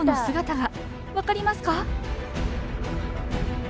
分かりますか？